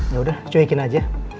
yaudah cuyikin aja